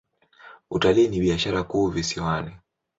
Utalii ni biashara kuu visiwani.